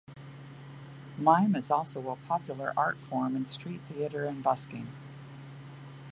Mime is also a popular art form in street theatre and busking.